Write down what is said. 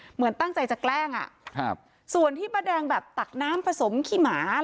เหมือนตั้งใจจะแกล้งส่วนที่ประแดงตักน้ำผสมขิมะ